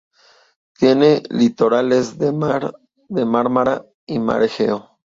Tiene litorales de mar de Mármara y mar Egeo.